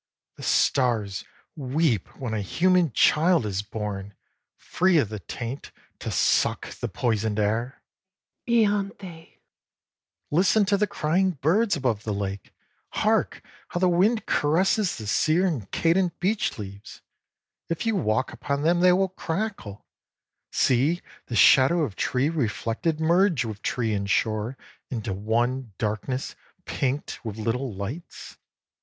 The stars weep when a human child is born, Free of the taint, to suck the poisoned air. SHE : lanthe ! HE: Listen to the crying birds Above the lake, hark how the wind caresses The sere and cadent beech leaves ; if you walk Upon them they will crackle ; see the shadow Of tree reflected merge with tree and shore Into one darkness, pinked with little lights.